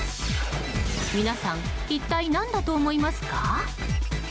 皆さん、一体何だと思いますか？